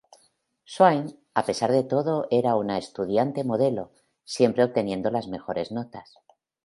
Swain a pesar de todo era una estudiante modelo, siempre obteniendo las mejores notas.